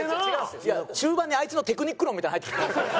中盤にあいつのテクニック論みたいなの入ってきてたんですよ。